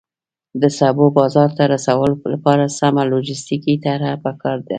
د سبو بازار ته رسولو لپاره سمه لوجستیکي طرحه پکار ده.